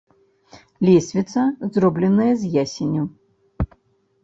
Лесвіца зробленая з ясеню.